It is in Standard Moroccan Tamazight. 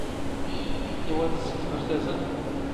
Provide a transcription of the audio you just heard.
ⵉⵡⴰ ⵜⵣⵣⵍⵜ ⵖⵔ ⵜⴰⵣⴰ.